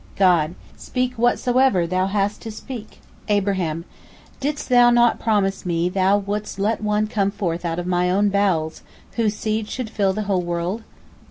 God: "Speak whatsoever thou hast to speak!" Abraham: "Didst Thou not promise me Thou wouldst let one come forth out of mine own bowels, whose seed should fill the whole world?"